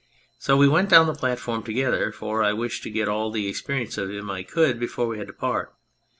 So we went down the platform together, for I wished to get all the experience of him I could before we had to part.